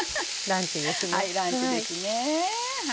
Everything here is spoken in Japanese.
はいランチですね。